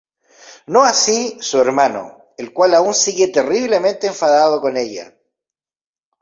No así su hermano, el cual aun sigue terriblemente enfadado con ella.